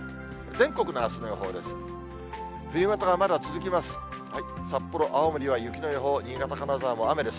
全国のあすの予報です。